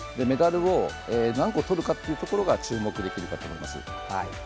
メダルを何個とるかというところが注目できると思います。